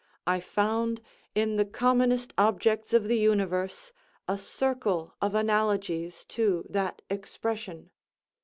I found, in the commonest objects of the universe, a circle of analogies to that expression.